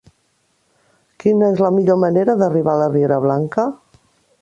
Quina és la millor manera d'arribar a la riera Blanca?